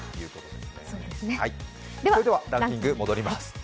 ではランキングに戻ります。